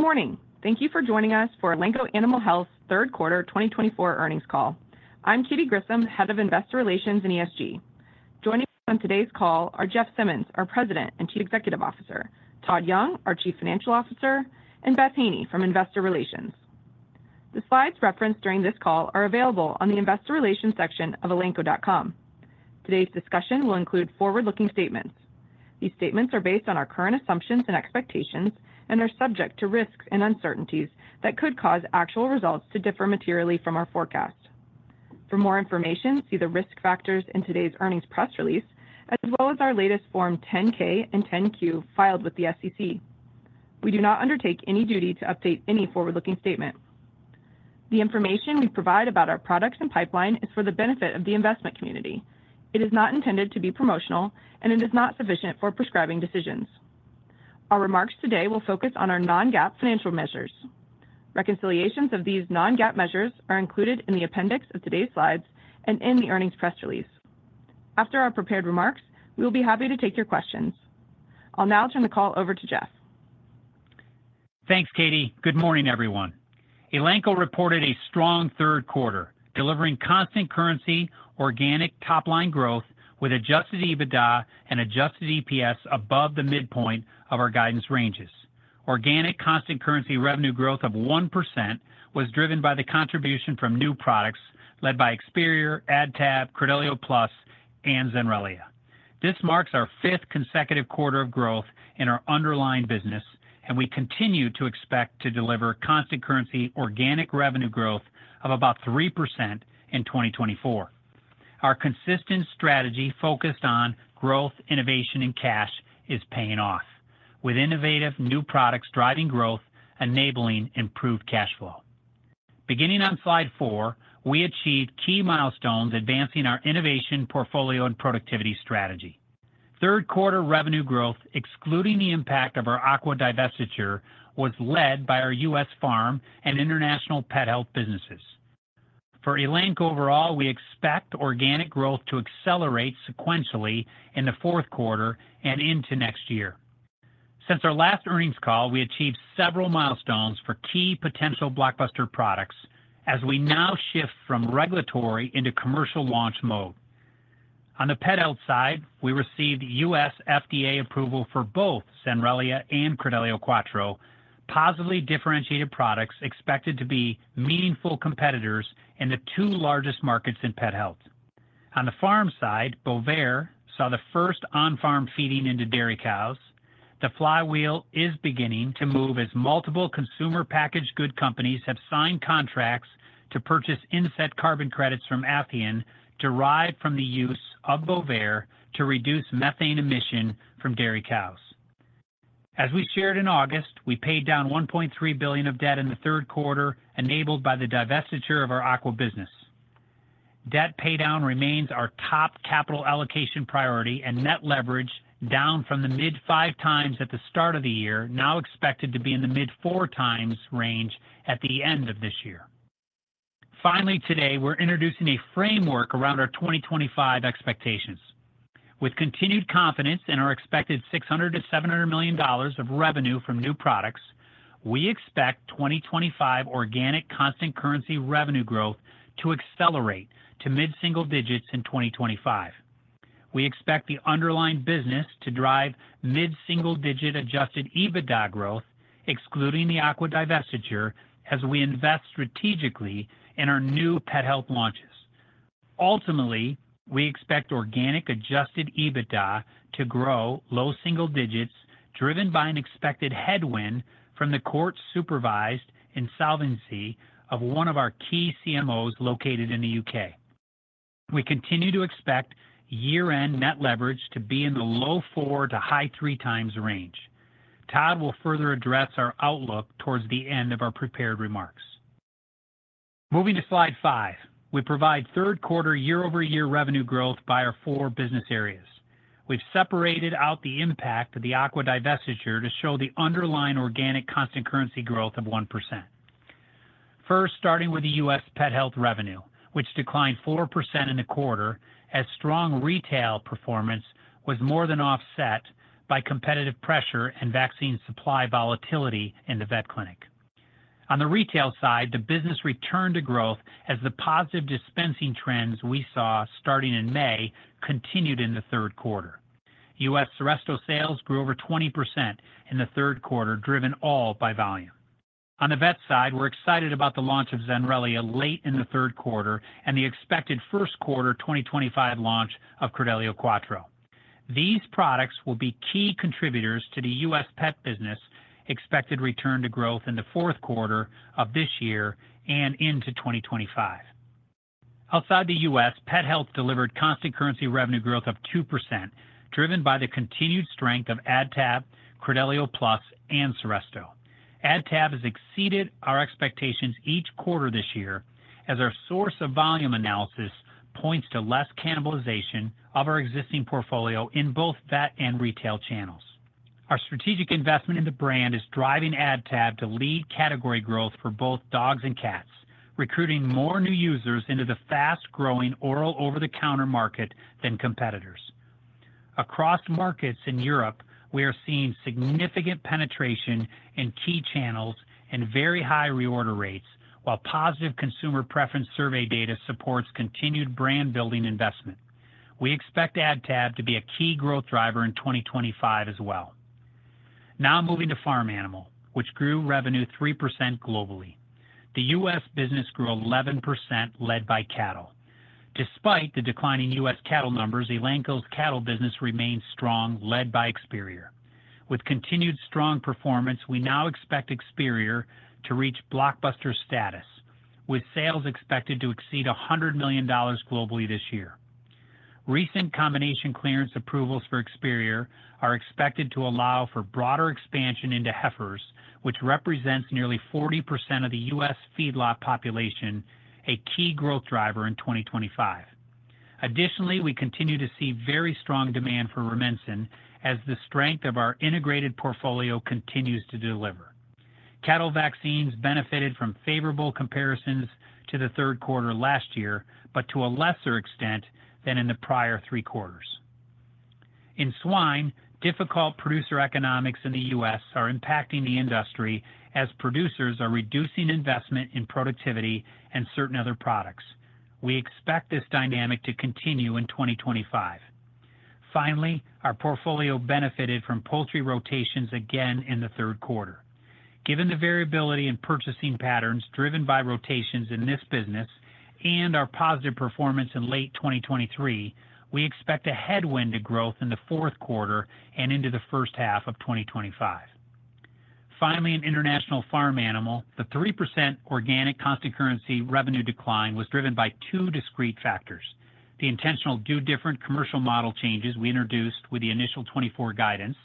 Good morning. Thank you for joining us for Elanco Animal Health's third quarter 2024 earnings call. I'm Katy Grissom, Head of Investor Relations and ESG. Joining us on today's call are Jeff Simmons, our President and Chief Executive Officer, Todd Young, our Chief Financial Officer, and Beth Haney from Investor Relations. The slides referenced during this call are available on the investor relations section of elanco.com. Today's discussion will include forward-looking statements. These statements are based on our current assumptions and expectations and are subject to risks and uncertainties that could cause actual results to differ materially from our forecast. For more information, see the risk factors in today's earnings press release, as well as our latest Form 10-K and 10-Q filed with the SEC. We do not undertake any duty to update any forward-looking statement. The information we provide about our products and pipeline is for the benefit of the investment community. It is not intended to be promotional, and it is not sufficient for prescribing decisions. Our remarks today will focus on our non-GAAP financial measures. Reconciliations of these non-GAAP measures are included in the appendix of today's slides and in the earnings press release. After our prepared remarks, we will be happy to take your questions. I'll now turn the call over to Jeff. Thanks, Katy. Good morning, everyone. Elanco reported a strong third quarter, delivering constant currency, organic top-line growth with adjusted EBITDA and adjusted EPS above the midpoint of our guidance ranges. Organic constant currency revenue growth of 1% was driven by the contribution from new products led by Experior, AdTab, Credelio PLUS, and Zenrelia. This marks our fifth consecutive quarter of growth in our underlying business, and we continue to expect to deliver constant currency, organic revenue growth of about 3% in 2024. Our consistent strategy focused on growth, innovation, and cash is paying off, with innovative new products driving growth, enabling improved cash flow. Beginning on slide four, we achieved key milestones advancing our innovation portfolio and productivity strategy. Third quarter revenue growth, excluding the impact of our aqua divestiture, was led by our U.S. farm and international pet health businesses. For Elanco overall, we expect organic growth to accelerate sequentially in the fourth quarter and into next year. Since our last earnings call, we achieved several milestones for key potential blockbuster products as we now shift from regulatory into commercial launch mode. On the pet health side, we received U.S. FDA approval for both Zenrelia and Credelio Quattro, positively differentiated products expected to be meaningful competitors in the two largest markets in pet health. On the farm side, Bovaer saw the first on-farm feeding into dairy cows. The flywheel is beginning to move as multiple consumer packaged goods companies have signed contracts to purchase inset carbon credits from Athian derived from the use of Bovaer to reduce methane emissions from dairy cows. As we shared in August, we paid down $1.3 billion of debt in the third quarter, enabled by the divestiture of our aqua business. Debt paydown remains our top capital allocation priority, and net leverage down from the mid-five times at the start of the year, now expected to be in the mid-four times range at the end of this year. Finally, today, we're introducing a framework around our 2025 expectations. With continued confidence in our expected $600-$700 million of revenue from new products, we expect 2025 organic constant currency revenue growth to accelerate to mid-single digits in 2025. We expect the underlying business to drive mid-single digit adjusted EBITDA growth, excluding the aqua divestiture, as we invest strategically in our new pet health launches. Ultimately, we expect organic adjusted EBITDA to grow low single digits, driven by an expected headwind from the court-supervised insolvency of one of our key CMOs located in the U.K. We continue to expect year-end net leverage to be in the low four to high three times range. Todd will further address our outlook towards the end of our prepared remarks. Moving to slide five, we provide third quarter year-over-year revenue growth by our four business areas. We've separated out the impact of the aqua divestiture to show the underlying organic constant currency growth of 1%. First, starting with the U.S. pet health revenue, which declined 4% in the quarter as strong retail performance was more than offset by competitive pressure and vaccine supply volatility in the vet clinic. On the retail side, the business returned to growth as the positive dispensing trends we saw starting in May continued in the third quarter. U.S. Seresto sales grew over 20% in the third quarter, driven all by volume. On the vet side, we're excited about the launch of Zenrelia late in the third quarter and the expected first quarter 2025 launch of Credelio Quattro. These products will be key contributors to the U.S. pet business expected return to growth in the fourth quarter of this year and into 2025. Outside the U.S., pet health delivered constant currency revenue growth of 2%, driven by the continued strength of AdTab, Credelio PLUS, and Seresto. AdTab has exceeded our expectations each quarter this year as our source of volume analysis points to less cannibalization of our existing portfolio in both vet and retail channels. Our strategic investment in the brand is driving AdTab to lead category growth for both dogs and cats, recruiting more new users into the fast-growing oral over-the-counter market than competitors. Across markets in Europe, we are seeing significant penetration in key channels and very high reorder rates, while positive consumer preference survey data supports continued brand-building investment. We expect AdTab to be a key growth driver in 2025 as well. Now moving to farm animal, which grew revenue 3% globally. The U.S. business grew 11%, led by cattle. Despite the declining U.S. cattle numbers, Elanco's cattle business remains strong, led by Experior. With continued strong performance, we now expect Experior to reach blockbuster status, with sales expected to exceed $100 million globally this year. Recent combination clearance approvals for Experior are expected to allow for broader expansion into heifers, which represents nearly 40% of the U.S. feedlot population, a key growth driver in 2025. Additionally, we continue to see very strong demand for Rumensin as the strength of our integrated portfolio continues to deliver. Cattle vaccines benefited from favorable comparisons to the third quarter last year, but to a lesser extent than in the prior three quarters. In swine, difficult producer economics in the U.S. are impacting the industry as producers are reducing investment in productivity and certain other products. We expect this dynamic to continue in 2025. Finally, our portfolio benefited from poultry rotations again in the third quarter. Given the variability in purchasing patterns driven by rotations in this business and our positive performance in late 2023, we expect a headwind to growth in the fourth quarter and into the first half of 2025. Finally, in international farm animal, the 3% organic constant currency revenue decline was driven by two discrete factors: the intentional do-different commercial model changes we introduced with the initial 2024 guidance,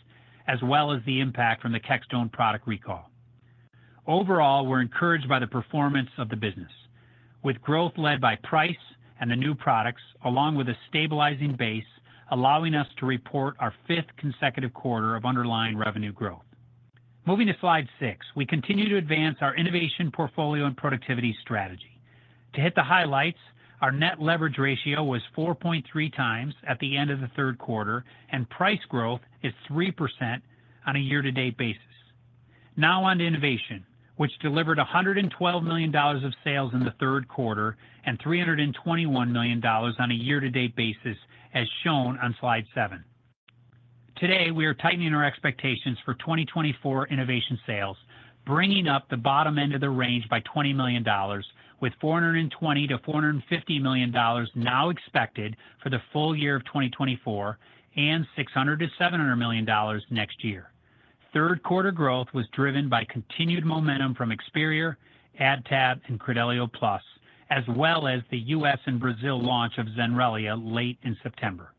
as well as the impact from the Kexxtone product recall. Overall, we're encouraged by the performance of the business, with growth led by price and the new products, along with a stabilizing base allowing us to report our fifth consecutive quarter of underlying revenue growth. Moving to slide six, we continue to advance our innovation portfolio and productivity strategy. To hit the highlights, our net leverage ratio was 4.3x at the end of the third quarter, and price growth is 3% on a year-to-date basis. Now on to innovation, which delivered $112 million of sales in the third quarter and $321 million on a year-to-date basis, as shown on slide seven. Today, we are tightening our expectations for 2024 innovation sales, bringing up the bottom end of the range by $20 million, with $420 million-$450 million now expected for the full year of 2024 and $600 million-$700 million next year. Third quarter growth was driven by continued momentum from Experior, AdTab, and Credelio PLUS, as well as the U.S. and Brazil launch of Zenrelia late in September.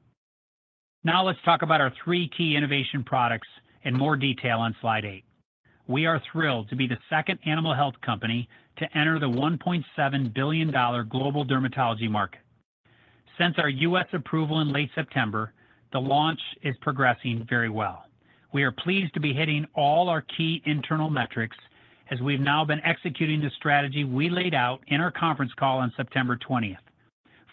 Now let's talk about our three key innovation products in more detail on slide eight. We are thrilled to be the second animal health company to enter the $1.7 billion global dermatology market. Since our U.S. approval in late September, the launch is progressing very well. We are pleased to be hitting all our key internal metrics as we've now been executing the strategy we laid out in our conference call on September 20th,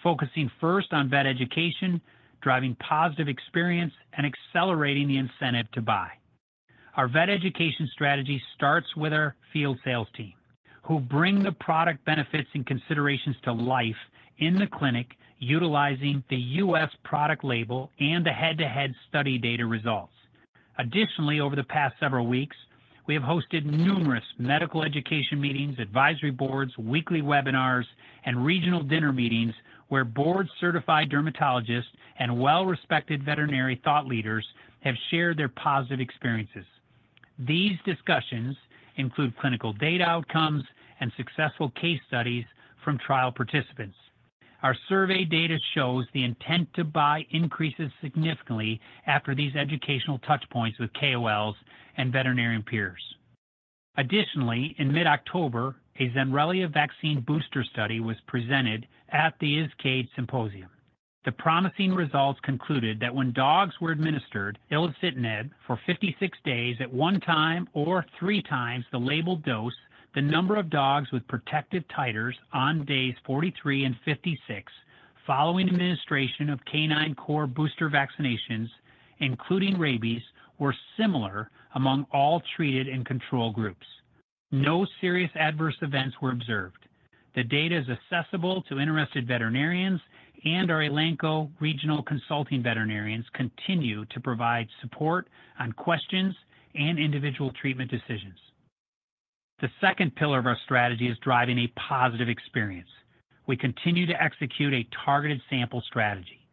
focusing first on vet education, driving positive experience, and accelerating the incentive to buy. Our vet education strategy starts with our field sales team, who bring the product benefits and considerations to life in the clinic, utilizing the U.S. product label and the head-to-head study data results. Additionally, over the past several weeks, we have hosted numerous medical education meetings, advisory boards, weekly webinars, and regional dinner meetings where board-certified dermatologists and well-respected veterinary thought leaders have shared their positive experiences. These discussions include clinical data outcomes and successful case studies from trial participants. Our survey data shows the intent to buy increases significantly after these educational touchpoints with KOLs and veterinarian peers. Additionally, in mid-October, a Zenrelia vaccine booster study was presented at the ISCAID Symposium. The promising results concluded that when dogs were administered ilunocitinib for 56 days at 1x or 3x the labeled dose, the number of dogs with protective titers on days 43 and 56 following administration of canine core booster vaccinations, including rabies, were similar among all treated and control groups. No serious adverse events were observed. The data is accessible to interested veterinarians and our Elanco regional consulting veterinarians continue to provide support on questions and individual treatment decisions. The second pillar of our strategy is driving a positive experience. We continue to execute a targeted sample strategy.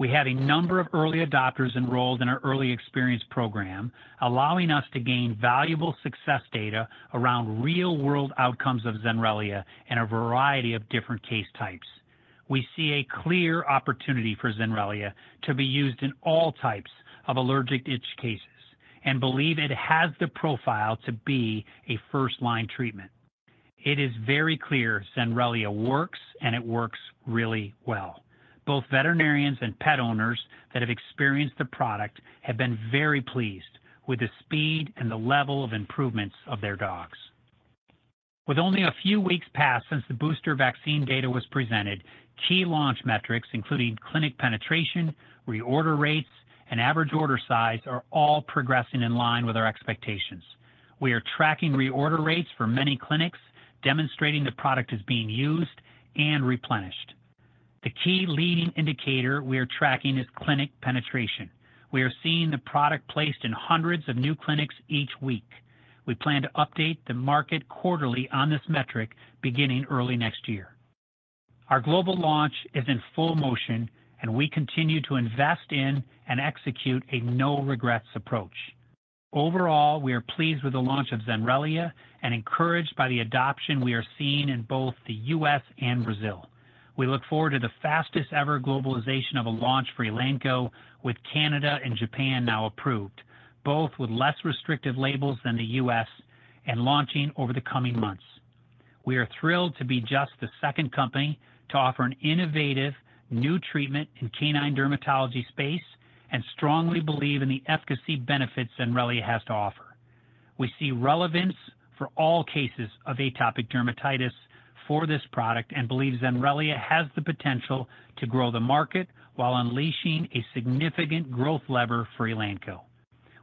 We have a number of early adopters enrolled in our early experience program, allowing us to gain valuable success data around real-world outcomes of Zenrelia and a variety of different case types. We see a clear opportunity for Zenrelia to be used in all types of allergic itch cases and believe it has the profile to be a first-line treatment. It is very clear Zenrelia works, and it works really well. Both veterinarians and pet owners that have experienced the product have been very pleased with the speed and the level of improvements of their dogs. With only a few weeks past since the booster vaccine data was presented, key launch metrics, including clinic penetration, reorder rates, and average order size, are all progressing in line with our expectations. We are tracking reorder rates for many clinics, demonstrating the product is being used and replenished. The key leading indicator we are tracking is clinic penetration. We are seeing the product placed in hundreds of new clinics each week. We plan to update the market quarterly on this metric beginning early next year. Our global launch is in full motion, and we continue to invest in and execute a no-regrets approach. Overall, we are pleased with the launch of Zenrelia and encouraged by the adoption we are seeing in both the U.S. and Brazil. We look forward to the fastest-ever globalization of a launch for Elanco, with Canada and Japan now approved, both with less restrictive labels than the U.S. and launching over the coming months. We are thrilled to be just the second company to offer an innovative new treatment in canine dermatology space and strongly believe in the efficacy benefits Zenrelia has to offer. We see relevance for all cases of atopic dermatitis for this product and believe Zenrelia has the potential to grow the market while unleashing a significant growth lever for Elanco.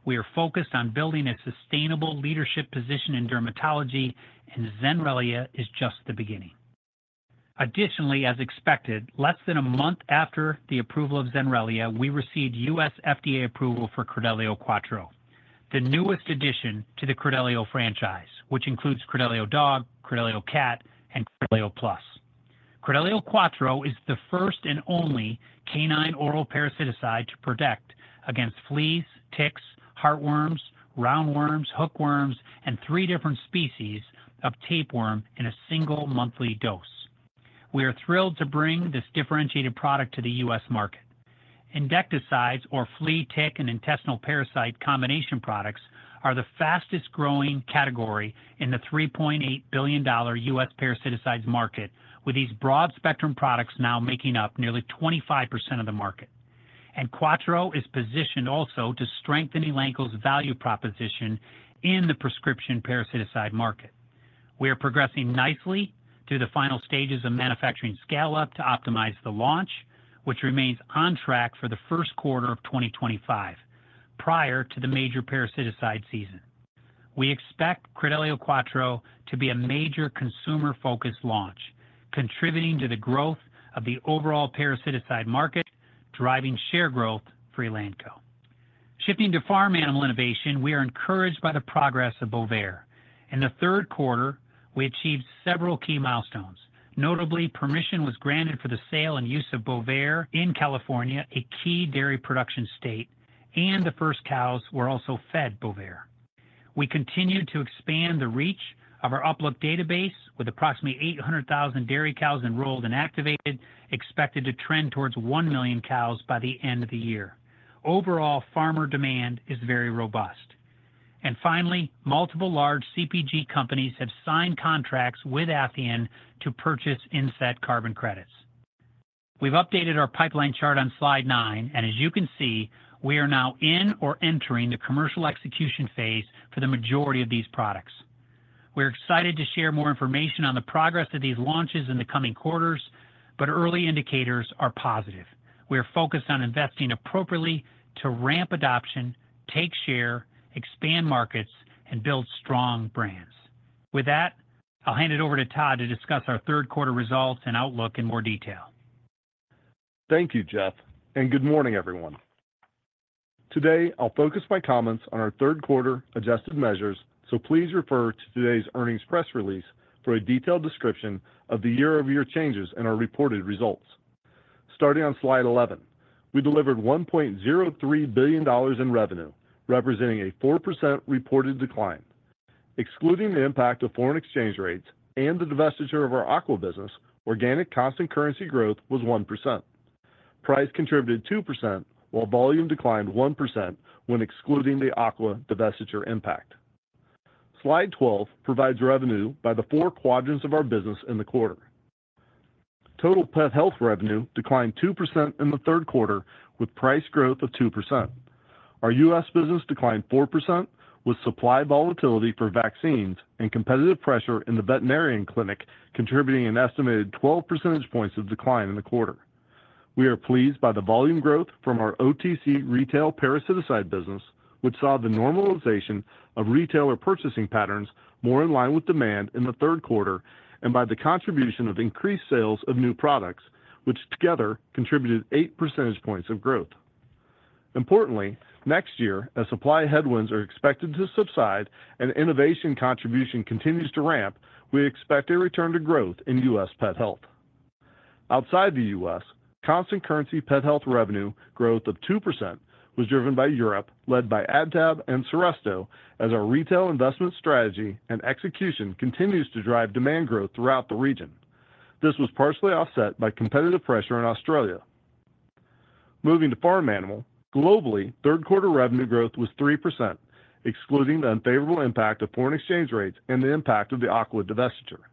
We are focused on building a sustainable leadership position in dermatology, and Zenrelia is just the beginning. Additionally, as expected, less than a month after the approval of Zenrelia, we received U.S. FDA approval for Credelio Quattro, the newest addition to the Credelio franchise, which includes Credelio Dog, Credelio Cat, and Credelio PLUS. Credelio Quattro is the first and only canine oral parasiticide to protect against fleas, ticks, heartworms, roundworms, hookworms, and three different species of tapeworm in a single monthly dose. We are thrilled to bring this differentiated product to the U.S. market. Insecticides, or flea, tick, and intestinal parasite combination products, are the fastest-growing category in the $3.8 billion U.S. parasiticides market, with these broad-spectrum products now making up nearly 25% of the market, and Quattro is positioned also to strengthen Elanco's value proposition in the prescription parasiticide market. We are progressing nicely through the final stages of manufacturing scale-up to optimize the launch, which remains on track for the first quarter of 2025, prior to the major parasiticide season. We expect Credelio Quattro to be a major consumer-focused launch, contributing to the growth of the overall parasiticide market, driving share growth for Elanco. Shifting to farm animal innovation, we are encouraged by the progress of Bovaer. In the third quarter, we achieved several key milestones. Notably, permission was granted for the sale and use of Bovaer in California, a key dairy production state, and the first cows were also fed Bovaer. We continue to expand the reach of our UpLook database with approximately 800,000 dairy cows enrolled and activated, expected to trend towards 1 million cows by the end of the year. Overall, farmer demand is very robust, and finally, multiple large CPG companies have signed contracts with Athian to purchase inset carbon credits. We've updated our pipeline chart on slide nine, and as you can see, we are now in or entering the commercial execution phase for the majority of these products. We're excited to share more information on the progress of these launches in the coming quarters, but early indicators are positive. We are focused on investing appropriately to ramp adoption, take share, expand markets, and build strong brands. With that, I'll hand it over to Todd to discuss our third-quarter results and outlook in more detail. Thank you, Jeff, and good morning, everyone. Today, I'll focus my comments on our third-quarter adjusted measures, so please refer to today's earnings press release for a detailed description of the year-over-year changes in our reported results. Starting on slide 11, we delivered $1.03 billion in revenue, representing a 4% reported decline. Excluding the impact of foreign exchange rates and the divestiture of our aqua business, organic constant currency growth was 1%. Price contributed 2%, while volume declined 1% when excluding the aqua divestiture impact. Slide 12 provides revenue by the four quadrants of our business in the quarter. Total pet health revenue declined 2% in the third quarter, with price growth of 2%. Our U.S. business declined 4%, with supply volatility for vaccines and competitive pressure in the veterinarian clinic contributing an estimated 12 percentage points of decline in the quarter. We are pleased by the volume growth from our OTC retail parasiticide business, which saw the normalization of retailer purchasing patterns more in line with demand in the third quarter, and by the contribution of increased sales of new products, which together contributed 8 percentage points of growth. Importantly, next year, as supply headwinds are expected to subside and innovation contribution continues to ramp, we expect a return to growth in U.S. pet health. Outside the U.S., constant currency pet health revenue growth of 2% was driven by Europe, led by AdTab and Seresto, as our retail investment strategy and execution continues to drive demand growth throughout the region. This was partially offset by competitive pressure in Australia. Moving to farm animal, globally, third-quarter revenue growth was 3%, excluding the unfavorable impact of foreign exchange rates and the impact of the aqua divestiture.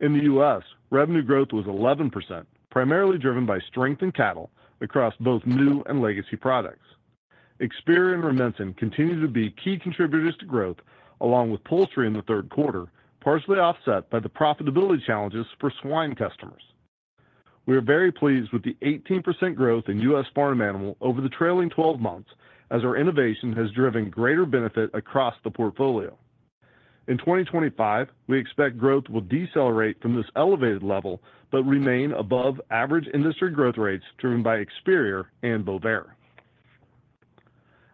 In the U.S., revenue growth was 11%, primarily driven by strength in cattle across both new and legacy products. Experior and Rumensin continued to be key contributors to growth, along with poultry in the third quarter, partially offset by the profitability challenges for swine customers. We are very pleased with the 18% growth in U.S. farm animal over the trailing 12 months, as our innovation has driven greater benefit across the portfolio. In 2025, we expect growth will decelerate from this elevated level but remain above average industry growth rates driven by Experior and Bovaer.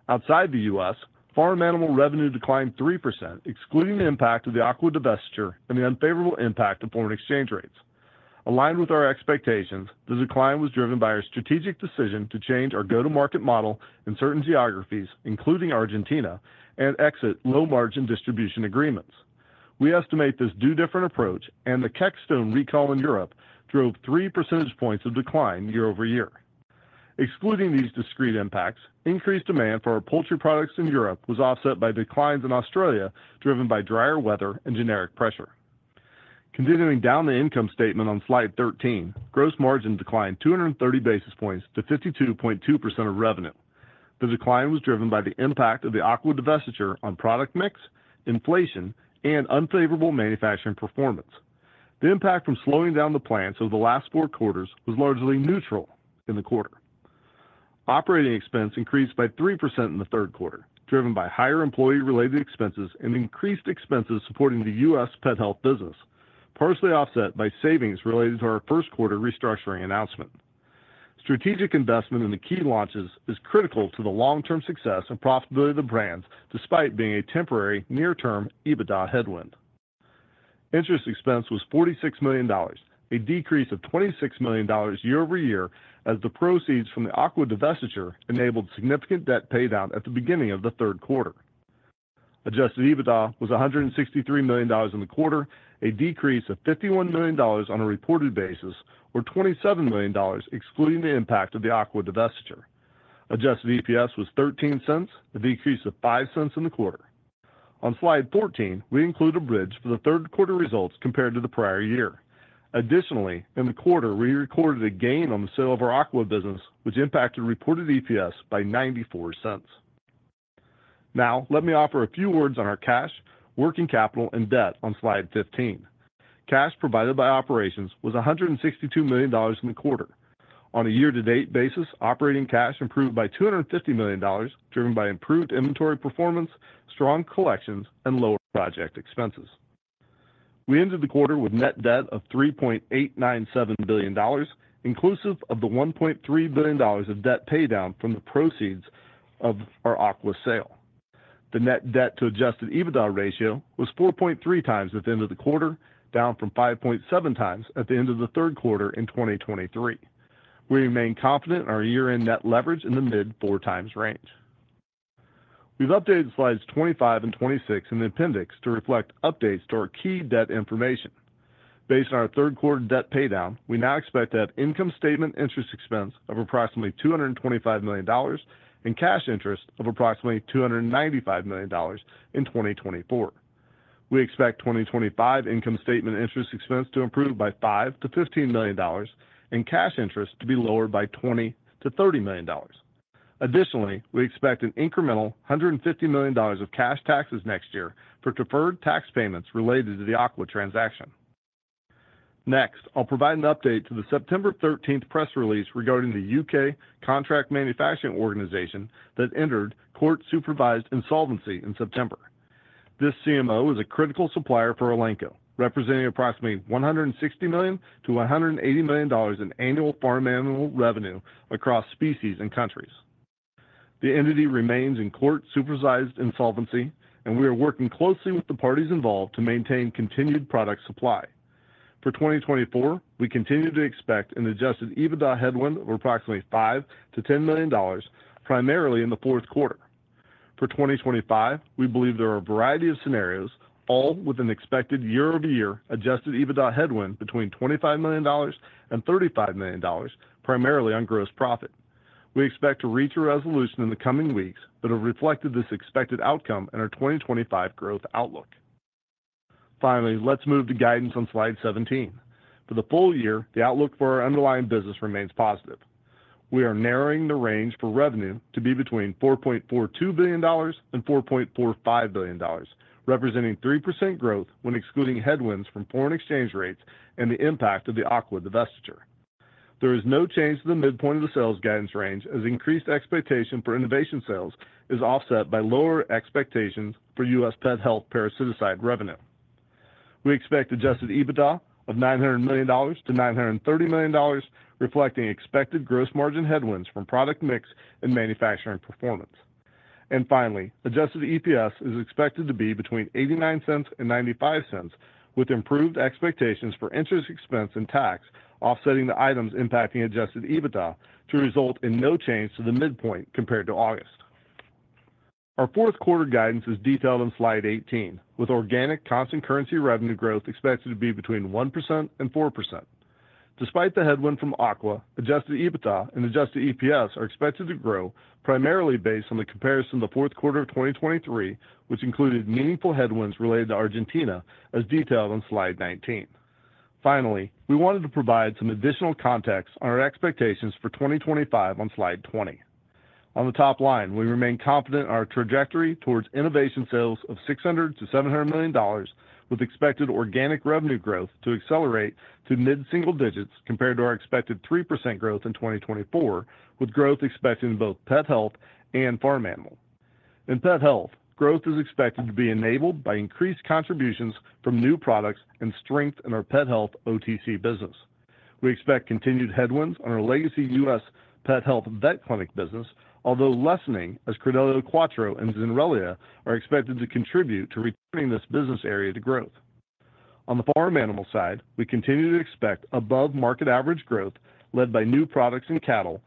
Outside the U.S., farm animal revenue declined 3%, excluding the impact of the aqua divestiture and the unfavorable impact of foreign exchange rates. Aligned with our expectations, the decline was driven by our strategic decision to change our go-to-market model in certain geographies, including Argentina, and exit low-margin distribution agreements. We estimate this new different approach, and the Kexxtone recall in Europe drove three percentage points of decline year-over-year. Excluding these discrete impacts, increased demand for our poultry products in Europe was offset by declines in Australia driven by drier weather and generic pressure. Continuing down the income statement on slide 13, gross margin declined 230 basis points to 52.2% of revenue. The decline was driven by the impact of the aqua divestiture on product mix, inflation, and unfavorable manufacturing performance. The impact from slowing down the plants over the last four quarters was largely neutral in the quarter. Operating expense increased by 3% in the third quarter, driven by higher employee-related expenses and increased expenses supporting the U.S. pet health business, partially offset by savings related to our first-quarter restructuring announcement. Strategic investment in the key launches is critical to the long-term success and profitability of the brands despite being a temporary near-term EBITDA headwind. Interest expense was $46 million, a decrease of $26 million year-over-year as the proceeds from the aqua divestiture enabled significant debt paydown at the beginning of the third quarter. Adjusted EBITDA was $163 million in the quarter, a decrease of $51 million on a reported basis, or $27 million excluding the impact of the aqua divestiture. Adjusted EPS was $0.13, a decrease of $0.05 in the quarter. On slide 14, we include a bridge for the third-quarter results compared to the prior year. Additionally, in the quarter, we recorded a gain on the sale of our aqua business, which impacted reported EPS by $0.94. Now, let me offer a few words on our cash, working capital, and debt on slide 15. Cash provided by operations was $162 million in the quarter. On a year-to-date basis, operating cash improved by $250 million, driven by improved inventory performance, strong collections, and lower project expenses. We ended the quarter with net debt of $3.897 billion, inclusive of the $1.3 billion of debt paydown from the proceeds of our aqua sale. The net debt to adjusted EBITDA ratio was 4.3x at the end of the quarter, down from 5.7x at the end of the third quarter in 2023. We remain confident in our year-end net leverage in the mid-4x range. We've updated slides 25 and 26 in the appendix to reflect updates to our key debt information. Based on our third-quarter debt paydown, we now expect to have income statement interest expense of approximately $225 million and cash interest of approximately $295 million in 2024. We expect 2025 income statement interest expense to improve by $5 million-$15 million and cash interest to be lower by $20 million-$30 million. Additionally, we expect an incremental $150 million of cash taxes next year for deferred tax payments related to the aqua transaction. Next, I'll provide an update to the September 13th press release regarding the U.K. Contract Manufacturing Organization that entered court-supervised insolvency in September. This CMO is a critical supplier for Elanco, representing approximately $160 million-$180 million in annual farm animal revenue across species and countries. The entity remains in court-supervised insolvency, and we are working closely with the parties involved to maintain continued product supply. For 2024, we continue to expect an adjusted EBITDA headwind of approximately $5 million-$10 million, primarily in the fourth quarter. For 2025, we believe there are a variety of scenarios, all with an expected year-over-year adjusted EBITDA headwind between $25 million-$35 million, primarily on gross profit. We expect to reach a resolution in the coming weeks that will reflect this expected outcome in our 2025 growth outlook. Finally, let's move to guidance on slide 17. For the full year, the outlook for our underlying business remains positive. We are narrowing the range for revenue to be between $4.42 billion-$4.45 billion, representing 3% growth when excluding headwinds from foreign exchange rates and the impact of the aqua divestiture. There is no change to the midpoint of the sales guidance range as increased expectation for innovation sales is offset by lower expectations for U.S. pet health parasiticide revenue. We expect adjusted EBITDA of $900 million-$930 million, reflecting expected gross margin headwinds from product mix and manufacturing performance. And finally, adjusted EPS is expected to be between $0.89 and $0.95, with improved expectations for interest expense and tax, offsetting the items impacting adjusted EBITDA to result in no change to the midpoint compared to August. Our fourth-quarter guidance is detailed on slide 18, with organic constant currency revenue growth expected to be between 1% and 4%. Despite the headwind from aqua, adjusted EBITDA and adjusted EPS are expected to grow primarily based on the comparison of the fourth quarter of 2023, which included meaningful headwinds related to Argentina, as detailed on slide 19. Finally, we wanted to provide some additional context on our expectations for 2025 on slide 20. On the top line, we remain confident in our trajectory towards innovation sales of $600 million-$700 million, with expected organic revenue growth to accelerate to mid-single digits compared to our expected 3% growth in 2024, with growth expected in both pet health and farm animal. In pet health, growth is expected to be enabled by increased contributions from new products and strength in our pet health OTC business. We expect continued headwinds on our legacy U.S. pet health vet clinic business, although lessening as Credelio Quattro and Zenrelia are expected to contribute to returning this business area to growth. On the farm animal side, we continue to expect above-market average growth led by new products and cattle,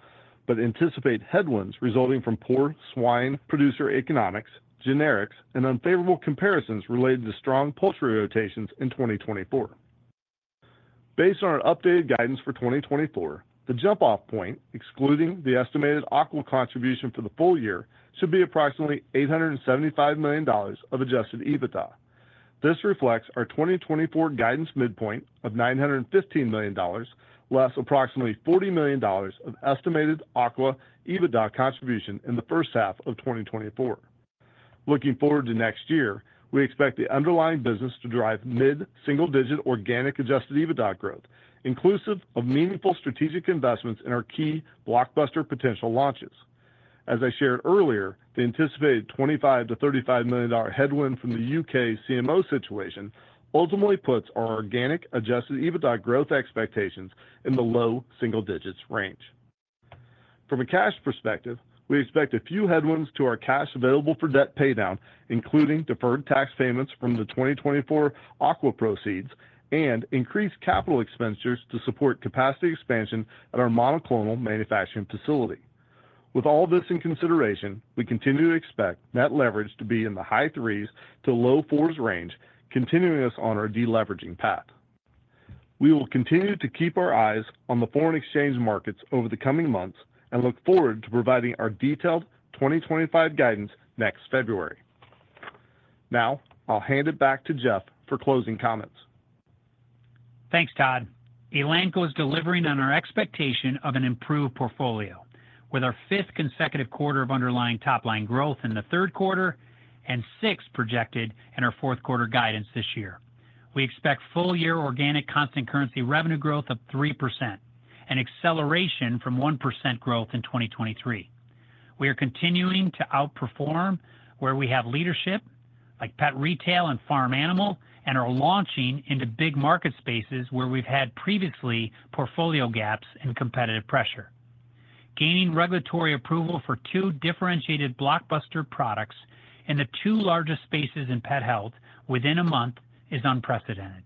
but anticipate headwinds resulting from poor swine producer economics, generics, and unfavorable comparisons related to strong poultry rotations in 2024. Based on our updated guidance for 2024, the jump-off point, excluding the estimated aqua contribution for the full year, should be approximately $875 million of adjusted EBITDA. This reflects our 2024 guidance midpoint of $915 million, less approximately $40 million of estimated aqua EBITDA contribution in the first half of 2024. Looking forward to next year, we expect the underlying business to drive mid-single-digit organic adjusted EBITDA growth, inclusive of meaningful strategic investments in our key blockbuster potential launches. As I shared earlier, the anticipated $25 million-$35 million headwind from the U.K. CMO situation ultimately puts our organic adjusted EBITDA growth expectations in the low single-digits range. From a cash perspective, we expect a few headwinds to our cash available for debt paydown, including deferred tax payments from the 2024 aqua proceeds and increased capital expenditures to support capacity expansion at our monoclonal manufacturing facility. With all this in consideration, we continue to expect net leverage to be in the high threes to low fours range, continuing us on our deleveraging path. We will continue to keep our eyes on the foreign exchange markets over the coming months and look forward to providing our detailed 2025 guidance next February. Now, I'll hand it back to Jeff for closing comments. Thanks, Todd. Elanco is delivering on our expectation of an improved portfolio, with our fifth consecutive quarter of underlying top-line growth in the third quarter and six projected in our fourth-quarter guidance this year. We expect full-year organic constant currency revenue growth of 3%, an acceleration from 1% growth in 2023. We are continuing to outperform where we have leadership like pet retail and farm animal and are launching into big market spaces where we've had previously portfolio gaps and competitive pressure. Gaining regulatory approval for two differentiated blockbuster products in the two largest spaces in pet health within a month is unprecedented.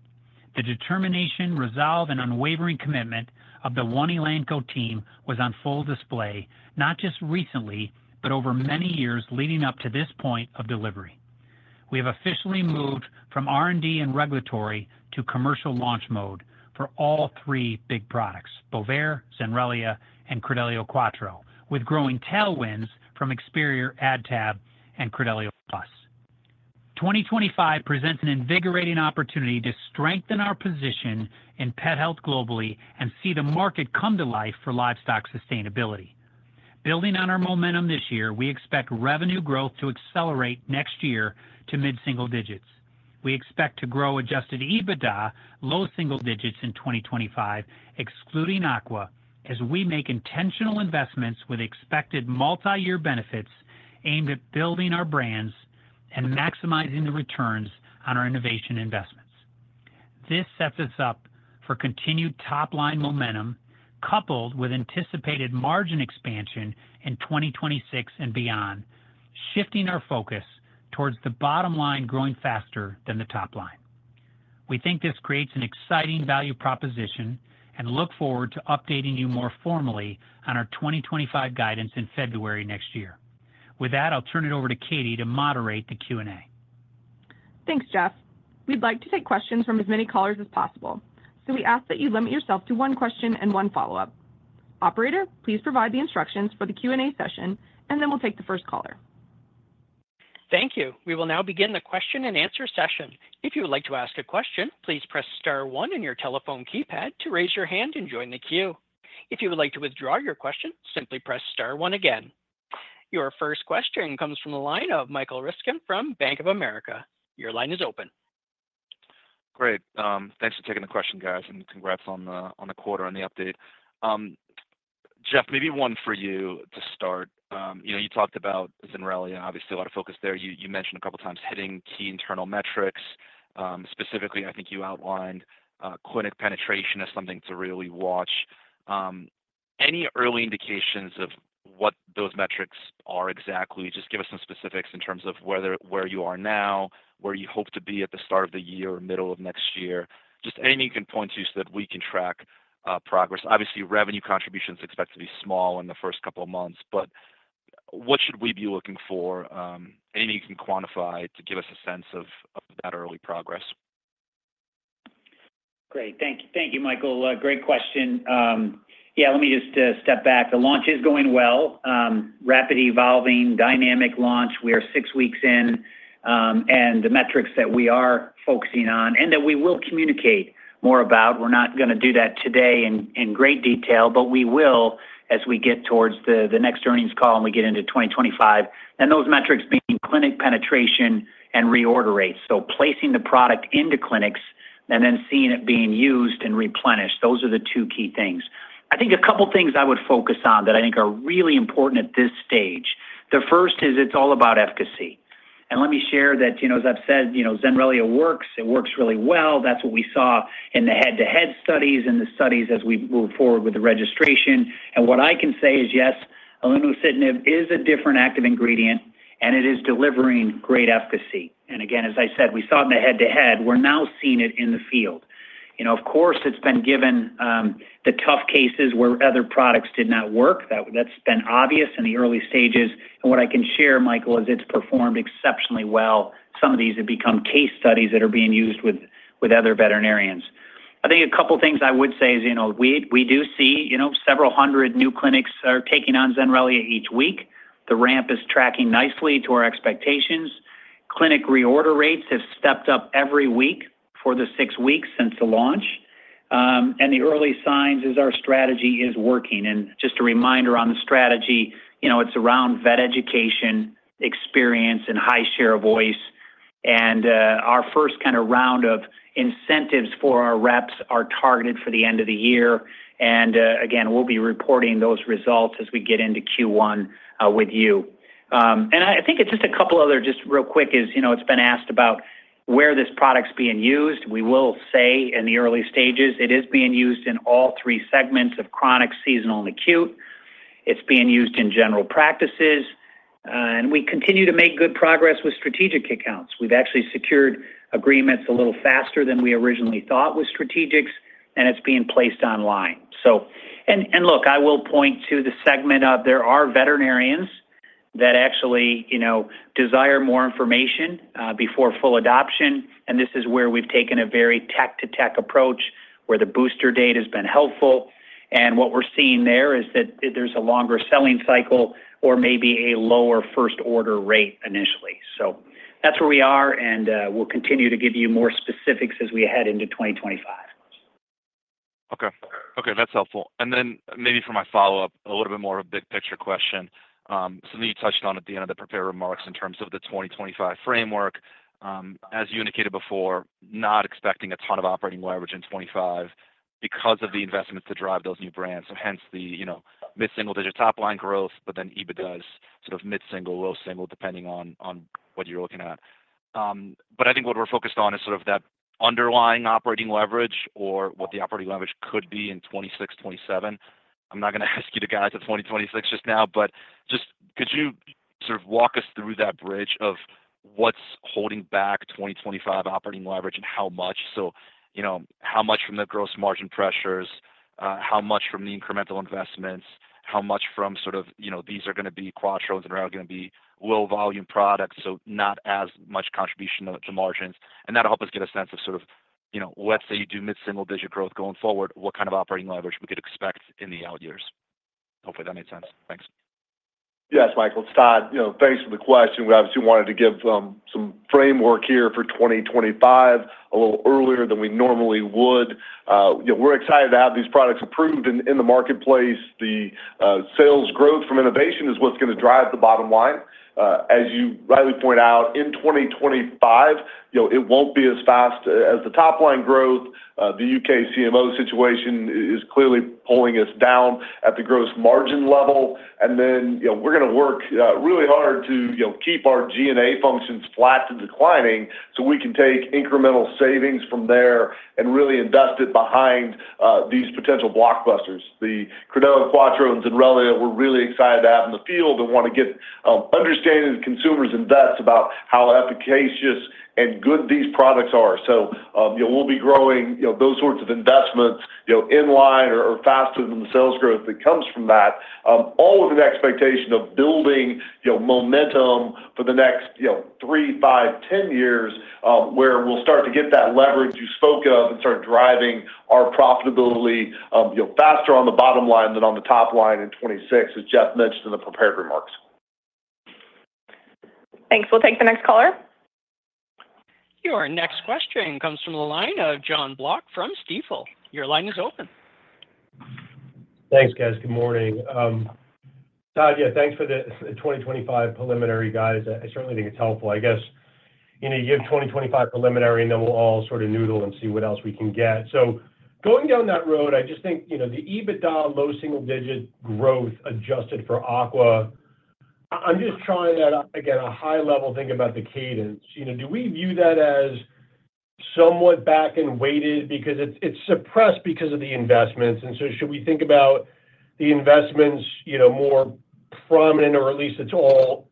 The determination, resolve, and unwavering commitment of the One Elanco team was on full display, not just recently, but over many years leading up to this point of delivery. We have officially moved from R&D and regulatory to commercial launch mode for all three big products, Bovaer, Zenrelia, and Credelio Quattro, with growing tailwinds from Experior, AdTab, and Credelio PLUS. 2025 presents an invigorating opportunity to strengthen our position in pet health globally and see the market come to life for livestock sustainability. Building on our momentum this year, we expect revenue growth to accelerate next year to mid-single digits. We expect to grow adjusted EBITDA low single digits in 2025, excluding aqua, as we make intentional investments with expected multi-year benefits aimed at building our brands and maximizing the returns on our innovation investments. This sets us up for continued top-line momentum, coupled with anticipated margin expansion in 2026 and beyond, shifting our focus towards the bottom line growing faster than the top line. We think this creates an exciting value proposition and look forward to updating you more formally on our 2025 guidance in February next year. With that, I'll turn it over to Katy to moderate the Q&A. Thanks, Jeff. We'd like to take questions from as many callers as possible. So we ask that you limit yourself to one question and one follow-up. Operator, please provide the instructions for the Q&A session, and then we'll take the first caller. Thank you. We will now begin the question-and-answer session. If you would like to ask a question, please press star one in your telephone keypad to raise your hand and join the queue. If you would like to withdraw your question, simply press star one again. Your first question comes from the line of Michael Ryskin from Bank of America. Your line is open. Great. Thanks for taking the question, guys, and congrats on the quarter and the update. Jeff, maybe one for you to start. You talked about Zenrelia and obviously a lot of focus there. You mentioned a couple of times hitting key internal metrics. Specifically, I think you outlined clinic penetration as something to really watch. Any early indications of what those metrics are exactly? Just give us some specifics in terms of where you are now, where you hope to be at the start of the year or middle of next year. Just anything you can point to so that we can track progress. Obviously, revenue contributions are expected to be small in the first couple of months, but what should we be looking for? Anything you can quantify to give us a sense of that early progress? Great. Thank you, Michael. Great question. Yeah, let me just step back. The launch is going well. Rapidly evolving, dynamic launch. We are six weeks in, and the metrics that we are focusing on and that we will communicate more about, we're not going to do that today in great detail, but we will as we get towards the next earnings call and we get into 2025, and those metrics being clinic penetration and reorder rates, so placing the product into clinics and then seeing it being used and replenished, those are the two key things. I think a couple of things I would focus on that I think are really important at this stage. The first is it's all about efficacy, and let me share that, as I've said, Zenrelia works. It works really well. That's what we saw in the head-to-head studies and the studies as we move forward with the registration. What I can say is, yes, ilunocitinib is a different active ingredient, and it is delivering great efficacy. And again, as I said, we saw it in the head-to-head. We're now seeing it in the field. Of course, it's been given the tough cases where other products did not work. That's been obvious in the early stages. And what I can share, Michael, is it's performed exceptionally well. Some of these have become case studies that are being used with other veterinarians. I think a couple of things I would say is we do see several hundred new clinics are taking on Zenrelia each week. The ramp is tracking nicely to our expectations. Clinic reorder rates have stepped up every week for the six weeks since the launch. And the early signs is our strategy is working. And just a reminder on the strategy. It's around vet education, experience, and high share of voice. And our first kind of round of incentives for our reps are targeted for the end of the year. And again, we'll be reporting those results as we get into Q1 with you. And I think it's just a couple of other, just real quick, is it's been asked about where this product's being used. We will say in the early stages, it is being used in all three segments of chronic, seasonal, and acute. It's being used in general practices. And we continue to make good progress with strategic accounts. We've actually secured agreements a little faster than we originally thought with strategics, and it's being placed online. And look, I will point to the segment of there are veterinarians that actually desire more information before full adoption. This is where we've taken a very tech-to-tech approach where the booster date has been helpful. What we're seeing there is that there's a longer selling cycle or maybe a lower first order rate initially. That's where we are, and we'll continue to give you more specifics as we head into 2025. Okay. Okay. That's helpful. Maybe for my follow-up, a little bit more of a big picture question. Something you touched on at the end of the prepared remarks in terms of the 2025 framework. As you indicated before, not expecting a ton of operating leverage in 2025 because of the investments to drive those new brands. Hence the mid-single-digit top-line growth, but then EBITDA is sort of mid-single, low-single, depending on what you're looking at. But I think what we're focused on is sort of that underlying operating leverage or what the operating leverage could be in 2026-2027. I'm not going to ask you to guide to 2026 just now. But just could you sort of walk us through that bridge of what's holding back 2025 operating leverage and how much? So how much from the gross margin pressures? How much from the incremental investments? how much from sort of these are going to be Quattros and are going to be low-volume products, so not as much contribution to margins? And that'll help us get a sense of sort of, let's say you do mid-single digit growth going forward, what kind of operating leverage we could expect in the out years. Hopefully, that made sense. Thanks. Yes, Michael. Todd. Thanks for the question. We obviously wanted to give some framework here for 2025 a little earlier than we normally would. We're excited to have these products approved in the marketplace. The sales growth from innovation is what's going to drive the bottom line. As you rightly point out, in 2025, it won't be as fast as the top-line growth. The U.K. CMO situation is clearly pulling us down at the gross margin level, and then we're going to work really hard to keep our G&A functions flat to declining so we can take incremental savings from there and really invest it behind these potential blockbusters. The Credelio Quattro and Zenrelia we're really excited to have in the field and want to get understanding of consumers and vets about how efficacious and good these products are. So we'll be growing those sorts of investments in line or faster than the sales growth that comes from that, all with an expectation of building momentum for the next three years, five years, 10 years where we'll start to get that leverage you spoke of and start driving our profitability faster on the bottom line than on the top line in 2026, as Jeff mentioned in the prepared remarks. Thanks. We'll take the next caller. Your next question comes from the line of Jon Block from Stifel. Your line is open. Thanks, guys. Good morning. Todd, yeah, thanks for the 2025 preliminary, guys. I certainly think it's helpful. I guess you have 2025 preliminary, and then we'll all sort of noodle and see what else we can get. So going down that road, I just think the EBITDA low single digit growth adjusted for aqua. I'm just trying that, again, a high-level thinking about the cadence. Do we view that as somewhat back-end weighted because it's suppressed because of the investments? And so should we think about the investments more prominent, or at least it's all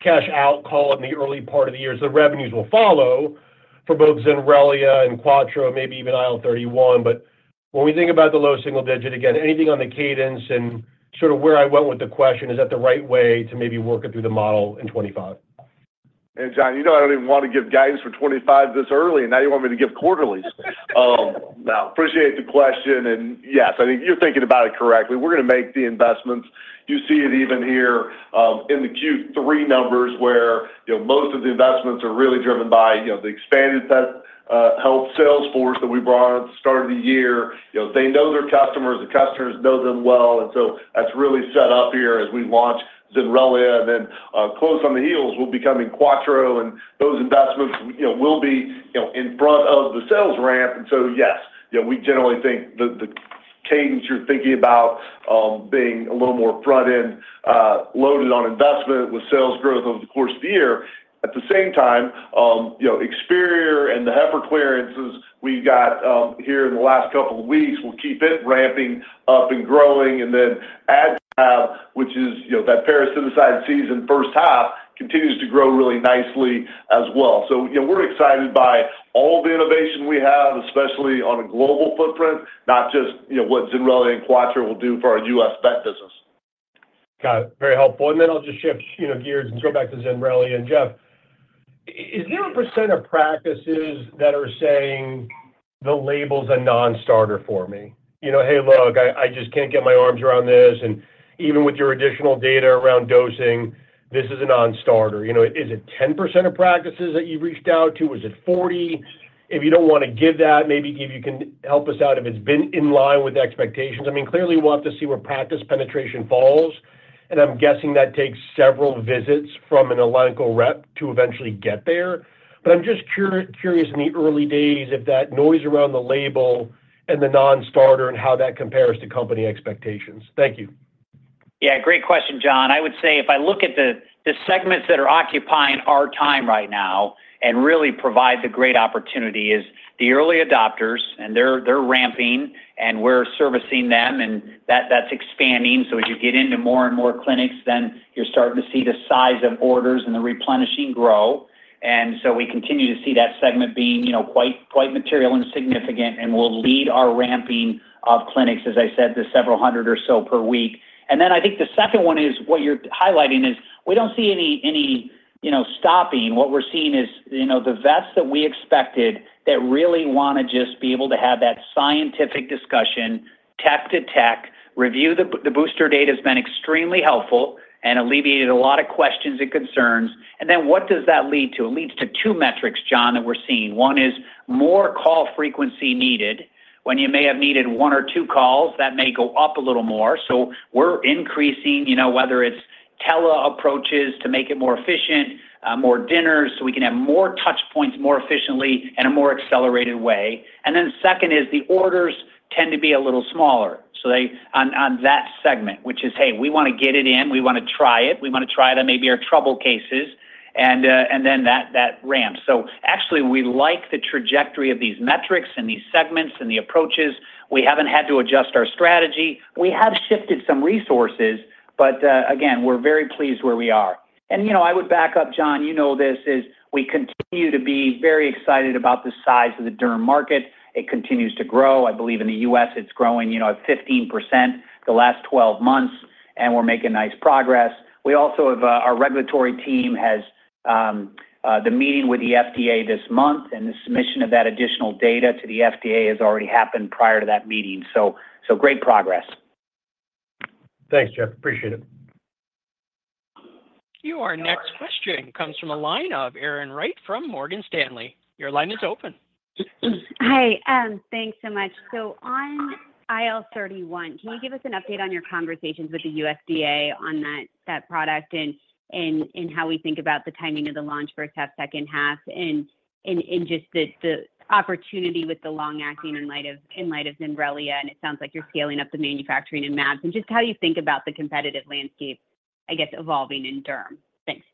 cash outflow in the early part of the year? So the revenues will follow for both Zenrelia and Quattro, maybe even IL-31. But when we think about the low single digit, again, anything on the cadence and sort of where I went with the question, is that the right way to maybe work it through the model in 2025? And Jon, you know I don't even want to give guidance for 2025 this early, and now you want me to give quarterly. No, appreciate the question. Yes, I think you're thinking about it correctly. We're going to make the investments. You see it even here in the Q3 numbers where most of the investments are really driven by the expanded sales force that we brought on at the start of the year. They know their customers. The customers know them well. And so that's really set up here as we launch Zenrelia. And then close on the heels will be coming Quattro. And those investments will be in front of the sales ramp. And so yes, we generally think the cadence you're thinking about being a little more front-end loaded on investment with sales growth over the course of the year. At the same time, Experior and the heifer clearances we've got here in the last couple of weeks will keep it ramping up and growing. AdTab, which is that parasite season first half, continues to grow really nicely as well. So we're excited by all the innovation we have, especially on a global footprint, not just what Zenrelia and Quattro will do for our U.S. vet business. Got it. Very helpful. And then I'll just shift gears and go back to Zenrelia. And Jeff, is there a percent of practices that are saying the label's a non-starter for me? Hey, look, I just can't get my arms around this. And even with your additional data around dosing, this is a non-starter. Is it 10% of practices that you've reached out to? Is it 40%? If you don't want to give that, maybe you can help us out if it's been in line with expectations. I mean, clearly, we'll have to see where practice penetration falls. I'm guessing that takes several visits from an Elanco rep to eventually get there. But I'm just curious in the early days if that noise around the label and the non-starter and how that compares to company expectations. Thank you. Yeah. Great question, Jon. I would say if I look at the segments that are occupying our time right now and really provide the great opportunity is the early adopters, and they're ramping, and we're servicing them, and that's expanding. So as you get into more and more clinics, then you're starting to see the size of orders and the replenishing grow. We continue to see that segment being quite material and significant, and we'll lead our ramping of clinics, as I said, the several hundred or so per week. Then I think the second one is what you're highlighting is we don't see any stopping. What we're seeing is the vets that we expected that really want to just be able to have that scientific discussion, tech-to-tech, review the booster data has been extremely helpful and alleviated a lot of questions and concerns. And then what does that lead to? It leads to two metrics, Jon, that we're seeing. One is more call frequency needed. When you may have needed one or two calls, that may go up a little more. So we're increasing, whether it's tele approaches to make it more efficient, more dinners so we can have more touchpoints more efficiently in a more accelerated way. And then second is the orders tend to be a little smaller. So on that segment, which is, hey, we want to get it in. We want to try it. We want to try it on maybe our trouble cases. And then that ramps. So actually, we like the trajectory of these metrics and these segments and the approaches. We haven't had to adjust our strategy. We have shifted some resources, but again, we're very pleased where we are. And I would back up, Jon, you know this, is we continue to be very excited about the size of the derm market. It continues to grow. I believe in the U.S., it's growing 15% the last 12 months, and we're making nice progress. We also have our regulatory team has the meeting with the FDA this month, and the submission of that additional data to the FDA has already happened prior to that meeting. So great progress. Thanks, Jeff. Appreciate it. Your next question comes from Erin Wright from Morgan Stanley. Your line is open. Hi. Thanks so much. On IL-31, can you give us an update on your conversations with the USDA on that product and how we think about the timing of the launch for first half, second half, and just the opportunity with the long-acting in light of Zenrelia? And it sounds like you're scaling up the manufacturing in mAbs and just how you think about the competitive landscape, I guess, evolving in derm. Thanks.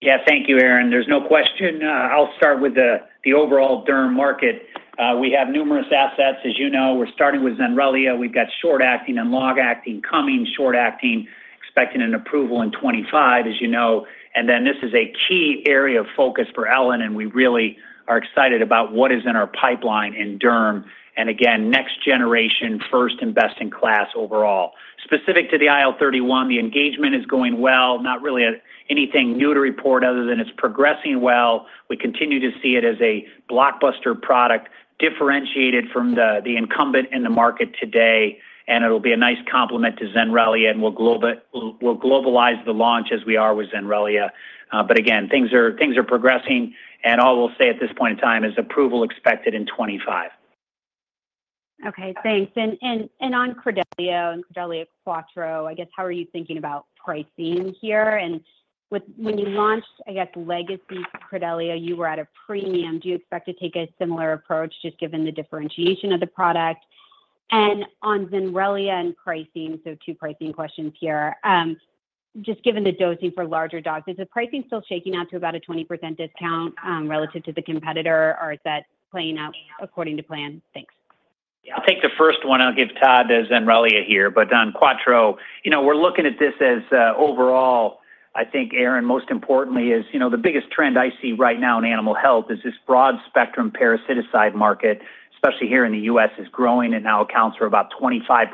Yeah. Thank you, Erin. There's no question. I'll start with the overall derm market. We have numerous assets, as you know. We're starting with Zenrelia. We've got short-acting and long-acting coming, short-acting, expecting an approval in 2025, as you know. And then this is a key area of focus for Elanco, and we really are excited about what is in our pipeline in derm. And again, next generation, first, and best in class overall. Specific to the IL-31, the engagement is going well. Not really anything new to report other than it's progressing well. We continue to see it as a blockbuster product differentiated from the incumbent in the market today. And it'll be a nice complement to Zenrelia, and we'll globalize the launch as we are with Zenrelia. But again, things are progressing. And all we'll say at this point in time is approval expected in 2025. Okay. Thanks. And on Credelio and Credelio Quattro, I guess, how are you thinking about pricing here? And when you launched, I guess, legacy Credelio, you were at a premium. Do you expect to take a similar approach just given the differentiation of the product? And on Zenrelia and pricing, so two pricing questions here. Just given the dosing for larger dogs, is the pricing still shaking out to about a 20% discount relative to the competitor, or is that playing out according to plan? Thanks. Yeah. I'll take the first one. I'll give Todd to Zenrelia here. But on Quattro, we're looking at this as overall, I think, Erin, most importantly, is the biggest trend I see right now in animal health is this broad spectrum parasiticide market, especially here in the U.S., is growing and now accounts for about 25%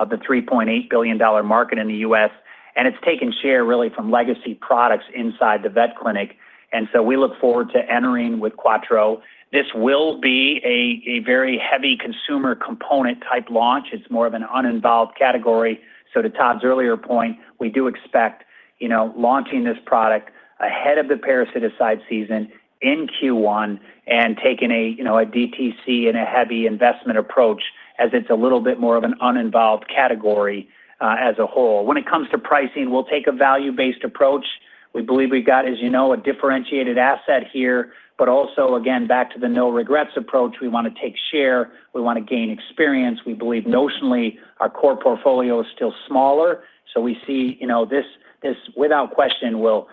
of the $3.8 billion market in the U.S. And it's taken share really from legacy products inside the vet clinic. And so we look forward to entering with Quattro. This will be a very heavy consumer component type launch. It's more of an uninvolved category. So to Todd's earlier point, we do expect launching this product ahead of the parasiticide season in Q1 and taking a DTC and a heavy investment approach as it's a little bit more of an uninvolved category as a whole. When it comes to pricing, we'll take a value-based approach. We believe we've got, as you know, a differentiated asset here, but also, again, back to the no regrets approach, we want to take share. We want to gain experience. We believe notionally our core portfolio is still smaller, so we see this, without question, will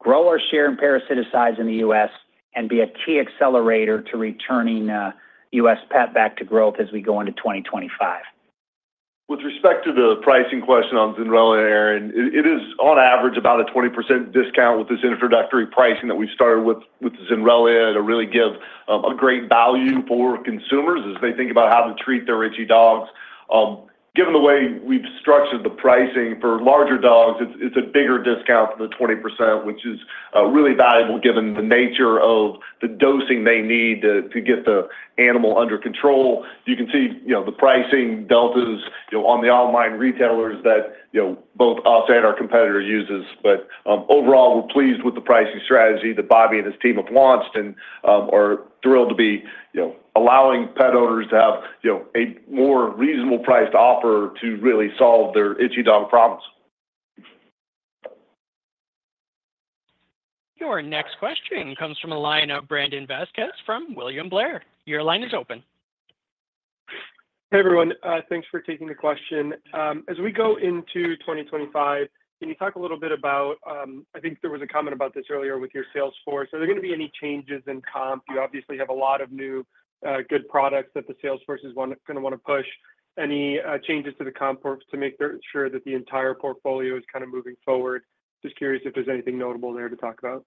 grow our share in parasiticides in the U.S. and be a key accelerator to returning U.S. pet back to growth as we go into 2025. With respect to the pricing question on Zenrelia, Erin, it is on average about a 20% discount with this introductory pricing that we started with Zenrelia to really give a great value for consumers as they think about how to treat their itchy dogs. Given the way we've structured the pricing for larger dogs, it's a bigger discount than the 20%, which is really valuable given the nature of the dosing they need to get the animal under control. You can see the pricing deltas on the online retailers that both us and our competitor uses. But overall, we're pleased with the pricing strategy that Bobby and his team have launched and are thrilled to be allowing pet owners to have a more reasonable price to offer to really solve their itchy dog problems. Your next question comes from Brandon Vazquez from William Blair. Your line is open. Hey, everyone. Thanks for taking the question. As we go into 2025, can you talk a little bit about, I think there was a comment about this earlier with your sales force? Are there going to be any changes in comp? You obviously have a lot of new good products that the sales force is going to want to push. Any changes to the comp to make sure that the entire portfolio is kind of moving forward? Just curious if there's anything notable there to talk about.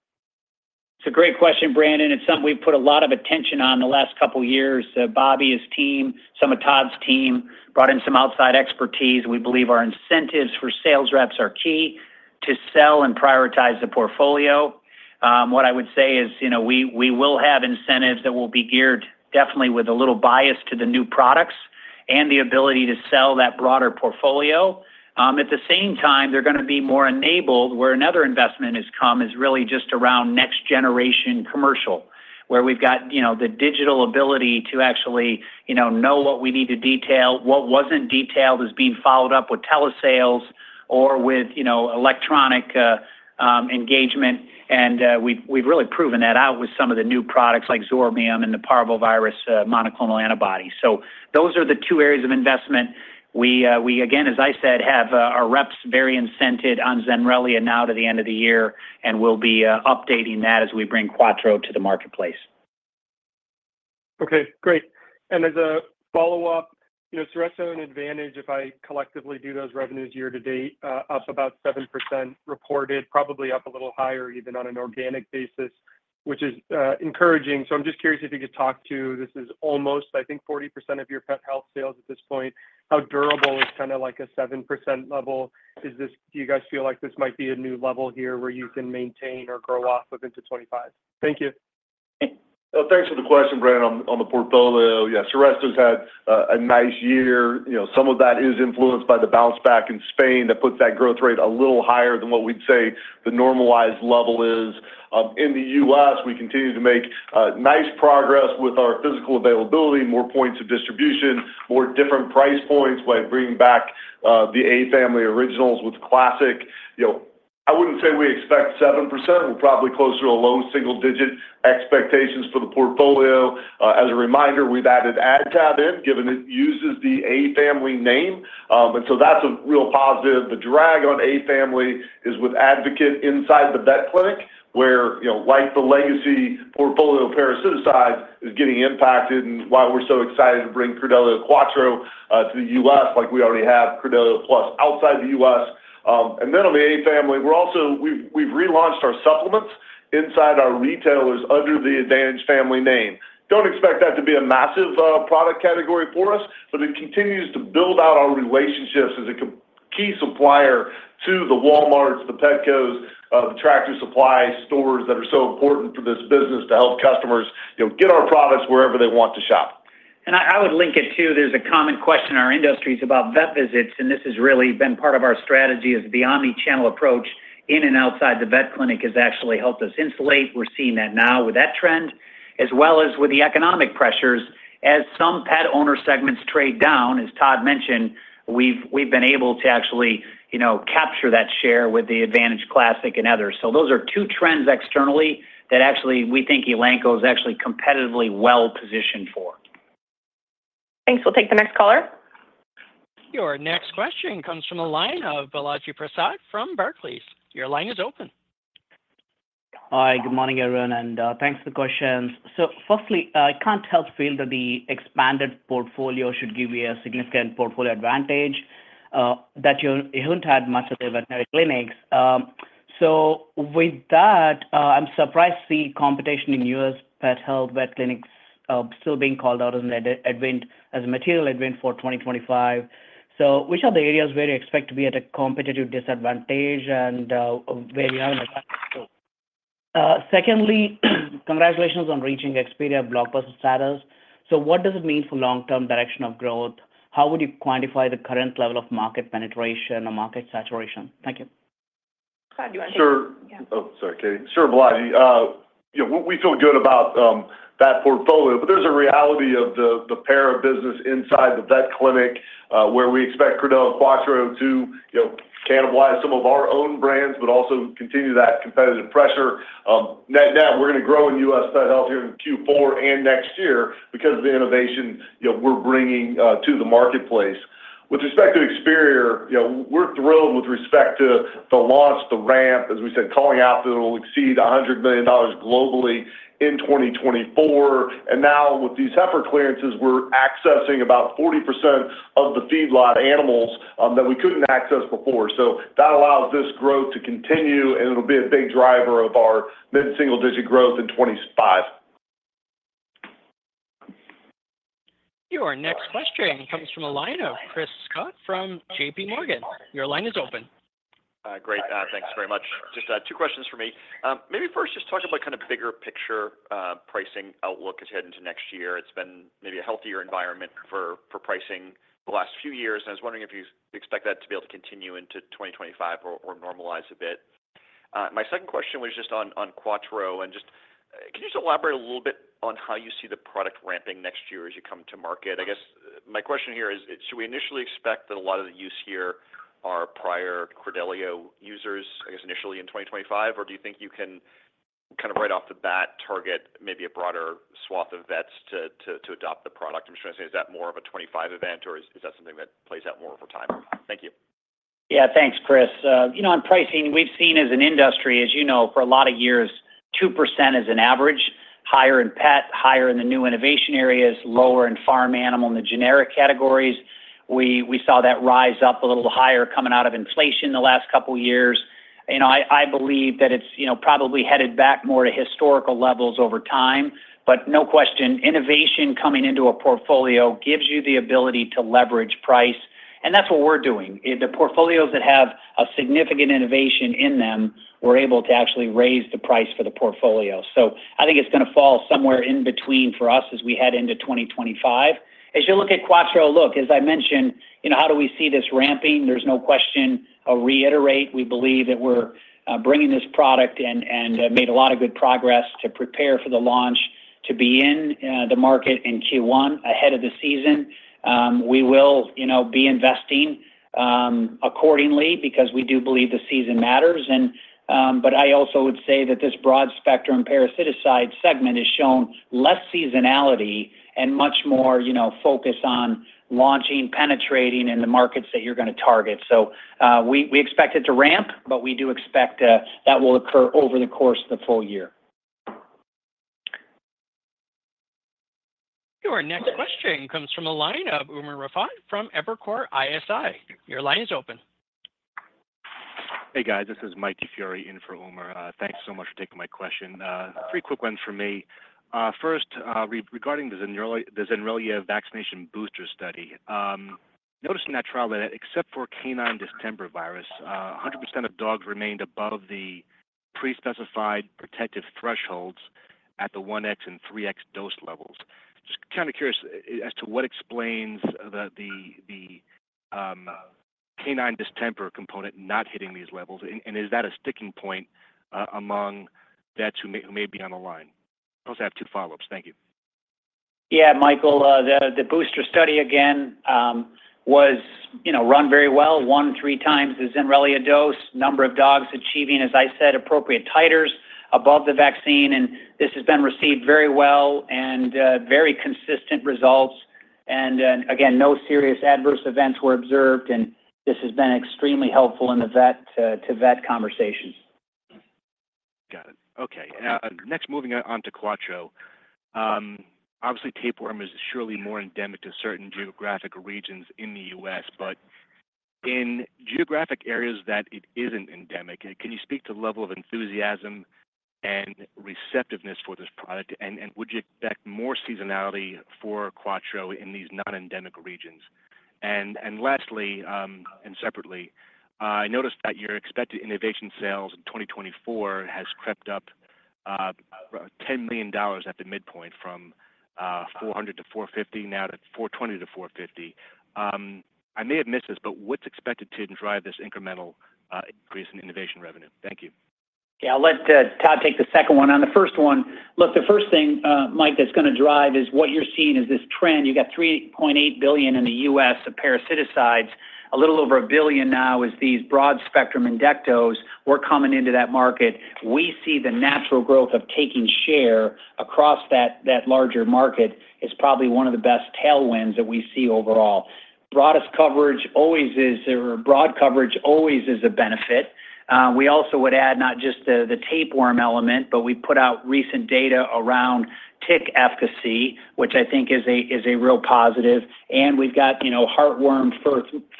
It's a great question, Brandon. It's something we've put a lot of attention on the last couple of years. Bobby, his team, some of Todd's team brought in some outside expertise. We believe our incentives for sales reps are key to sell and prioritize the portfolio. What I would say is we will have incentives that will be geared definitely with a little bias to the new products and the ability to sell that broader portfolio. At the same time, they're going to be more enabled where another investment has come is really just around next generation commercial, where we've got the digital ability to actually know what we need to detail. What wasn't detailed is being followed up with telesales or with electronic engagement, and we've really proven that out with some of the new products like Zorbium and the parvovirus monoclonal antibodies. Those are the two areas of investment. We, again, as I said, have our reps very incented on Zenrelia now to the end of the year, and we'll be updating that as we bring Quattro to the marketplace. Okay. Great. And as a follow-up, Seresto and Advantage, if I collectively do those revenues year-to-date, up about 7% reported, probably up a little higher even on an organic basis, which is encouraging. So I'm just curious if you could talk to, this is almost, I think, 40% of your pet health sales at this point. How durable is kind of like a 7% level? Do you guys feel like this might be a new level here where you can maintain or grow off of into 2025? Thank you. Thanks for the question, Brandon, on the portfolio. Yeah. Seresto's had a nice year. Some of that is influenced by the bounce back in Spain that puts that growth rate a little higher than what we'd say the normalized level is. In the U.S., we continue to make nice progress with our physical availability, more points of distribution, more different price points by bringing back the A family originals with classic. I wouldn't say we expect 7%. We're probably closer to a low single-digit expectations for the portfolio. As a reminder, we've added AdTab in given it uses the A family name. And so that's a real positive. The drag on A family is with Advocate inside the vet clinic, where like the legacy portfolio parasiticide is getting impacted. And why we're so excited to bring Credelio Quattro to the U.S., like we already have Credelio PLUS outside the U.S. And then on the A family, we've relaunched our supplements inside our retailers under the Advantage family name. Don't expect that to be a massive product category for us, but it continues to build out our relationships as a key supplier to the Walmarts, the Petcos, the Tractor Supply stores that are so important for this business to help customers get our products wherever they want to shop. I would link it to. There's a common question in our industries about vet visits. This has really been part of our strategy as the omnichannel approach in and outside the vet clinic has actually helped us insulate. We're seeing that now with that trend, as well as with the economic pressures as some pet owner segments trade down. As Todd mentioned, we've been able to actually capture that share with the Advantage Classic and others. Those are two trends externally that actually we think Elanco is actually competitively well positioned for. Thanks. We'll take the next caller. Your next question comes from Balaji Prasad from Barclays. Your line is open. Hi. Good morning, everyone. And thanks for the questions. So firstly, I can't help feel that the expanded portfolio should give you a significant portfolio advantage that you haven't had much of the veterinary clinics. So with that, I'm surprised to see competition in US pet health vet clinics still being called out as a material event for 2025. So which are the areas where you expect to be at a competitive disadvantage and where you have an advantage too? Secondly, congratulations on reaching Experior blockbuster status. So what does it mean for long-term direction of growth? How would you quantify the current level of market penetration or market saturation? Thank you. Todd, do you want to take the question? Oh, sorry. Sorry, Katy. Sure, Bobby. We feel good about that portfolio, but there's a reality of the para business inside the vet clinic where we expect Credelio Quattro to cannibalize some of our own brands, but also continue that competitive pressure. Net net, we're going to grow in U.S. pet health here in Q4 and next year because of the innovation we're bringing to the marketplace. With respect to Experior, we're thrilled with respect to the launch, the ramp, as we said, calling out that it'll exceed $100 million globally in 2024. And now with these heifer clearances, we're accessing about 40% of the feedlot animals that we couldn't access before. So that allows this growth to continue, and it'll be a big driver of our mid-single-digit growth in 2025. Your next question comes from the line of Chris Schott from JPMorgan. Your line is open. Hi. Great. Thanks very much. Just two questions for me. Maybe first, just talk about kind of bigger picture pricing outlook as you head into next year. It's been maybe a healthier environment for pricing the last few years, and I was wondering if you expect that to be able to continue into 2025 or normalize a bit. My second question was just on Quattro. And just can you just elaborate a little bit on how you see the product ramping next year as you come to market? I guess my question here is, should we initially expect that a lot of the use here are prior Credelio users, I guess, initially in 2025, or do you think you can kind of right off the bat target maybe a broader swath of vets to adopt the product? I'm just trying to say, is that more of a 2025 event, or is that something that plays out more over time? Thank you. Yeah. Thanks, Chris. On pricing, we've seen as an industry, as you know, for a lot of years, 2% as an average, higher in pet, higher in the new innovation areas, lower in farm animal in the generic categories. We saw that rise up a little higher coming out of inflation the last couple of years. I believe that it's probably headed back more to historical levels over time. But no question, innovation coming into a portfolio gives you the ability to leverage price. And that's what we're doing. The portfolios that have a significant innovation in them, we're able to actually raise the price for the portfolio. So I think it's going to fall somewhere in between for us as we head into 2025. As you look at Quattro, look, as I mentioned, how do we see this ramping? There's no question. I'll reiterate. We believe that we're bringing this product and made a lot of good progress to prepare for the launch to be in the market in Q1 ahead of the season. We will be investing accordingly because we do believe the season matters. But I also would say that this broad spectrum parasiticide segment has shown less seasonality and much more focus on launching, penetrating, and the markets that you're going to target. So we expect it to ramp, but we do expect that will occur over the course of the full year. Your next question comes from Umer Raffat of Evercore ISI. Your line is open. Hey, guys. This is Mike DiFiore in for Umer. Thanks so much for taking my question. Pretty quick one for me. First, regarding the Zenrelia vaccination booster study, noticing that trial that except for canine distemper virus, 100% of dogs remained above the pre-specified protective thresholds at the 1x and 3x dose levels. Just kind of curious as to what explains the canine distemper component not hitting these levels, and is that a sticking point among vets who may be on the line? I also have two follow-ups. Thank you. Yeah, Michael. The booster study again was run very well, one or three times the Zenrelia dose, number of dogs achieving, as I said, appropriate titers above the vaccine. And this has been received very well and very consistent results. And again, no serious adverse events were observed, and this has been extremely helpful in the vet-to-vet conversations. Got it. Okay. Next, moving on to Quattro. Obviously, tapeworm is surely more endemic to certain geographic regions in the U.S., but in geographic areas that it isn't endemic. Can you speak to the level of enthusiasm and receptiveness for this product, and would you expect more seasonality for Quattro in these non-endemic regions? And lastly, and separately, I noticed that your expected innovation sales in 2024 has crept up $10 million at the midpoint from $400 million-$450 million, now to $420 million-$450 million. I may have missed this, but what's expected to drive this incremental increase in innovation revenue? Thank you. Yeah. I'll let Todd take the second one on. The first one, look, the first thing, Mike, that's going to drive is what you're seeing is this trend. You got $3.8 billion in the U.S. of parasiticides. A little over a billion now is these broad spectrum endectocides. We're coming into that market. We see the natural growth of taking share across that larger market is probably one of the best tailwinds that we see overall. Broad coverage always is a benefit. We also would add not just the tapeworm element, but we put out recent data around tick efficacy, which I think is a real positive. And we've got heartworm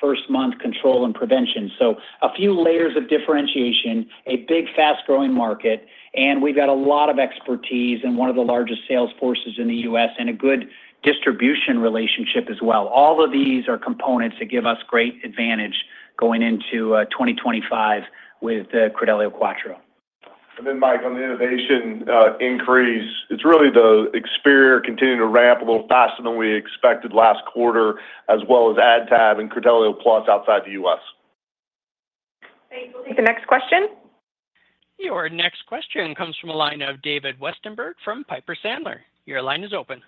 first-month control and prevention. So a few layers of differentiation, a big fast-growing market, and we've got a lot of expertise in one of the largest sales forces in the U.S. and a good distribution relationship as well. All of these are components that give us great advantage going into 2025 with Credelio Quattro. And then, Mike, on the innovation increase, it's really the Experior continuing to ramp a little faster than we expected last quarter, as well as AdTab and Credelio PLUS outside the U.S. Thank you. We'll take the next question. Your next question comes from the line of David Westenberg from Piper Sandler. Your line is open.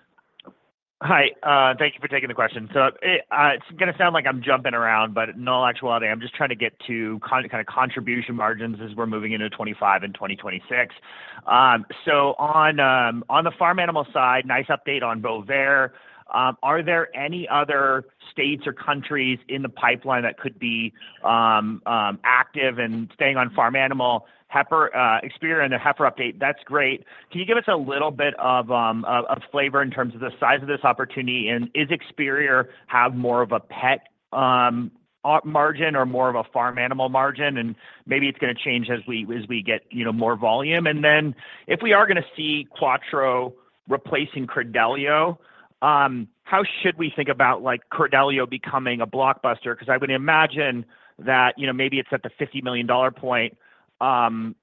Hi. Thank you for taking the question. So it's going to sound like I'm jumping around, but in all actuality, I'm just trying to get to kind of contribution margins as we're moving into 2025 and 2026. So on the farm animal side, nice update on Bovaer. Are there any other states or countries in the pipeline that could be active and staying on farm animal? Experior and the heifer update, that's great. Can you give us a little bit of flavor in terms of the size of this opportunity? And does Experior have more of a pet margin or more of a farm animal margin? And maybe it's going to change as we get more volume. And then if we are going to see Credelio Quattro replacing Credelio, how should we think about Credelio becoming a blockbuster? Because I would imagine that maybe it's at the $50 million point,